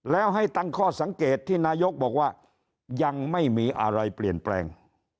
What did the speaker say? แล้วให้ตั้งข้อสังเกตที่นายกบอกว่ายังไม่มีอะไรเปลี่ยนแปลง